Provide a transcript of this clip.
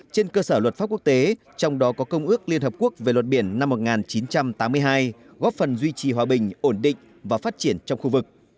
trên cơ sở luật pháp quốc tế trong đó có công ước liên hợp quốc về luật biển năm một nghìn chín trăm tám mươi hai góp phần duy trì hòa bình ổn định và phát triển trong khu vực